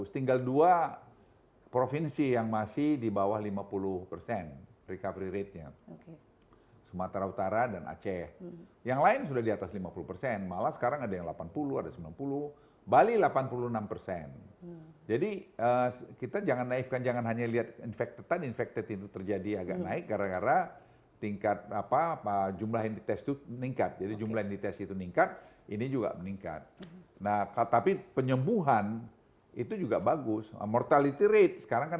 tadi rapat saya dengan teman teman